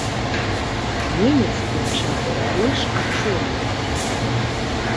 Немец тым часам больш ачомаўся.